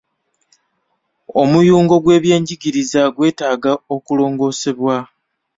Omuyungo gw'ebyenjigiriza gwetaaga okulongoosebwa.